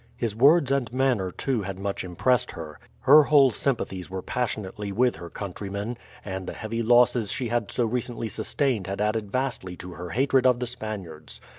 His words and manner too had much impressed her. Her whole sympathies were passionately with her countrymen, and the heavy losses she had so recently sustained had added vastly to her hatred of the Spaniards.